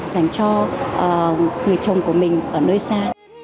dành cho người chồng của mình ở nơi xa